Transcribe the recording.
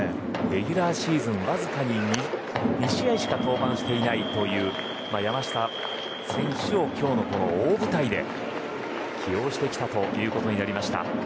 レギュラーシーズンわずかに２試合しか登板していないという山下選手を今日の大舞台で起用してきたということになりました。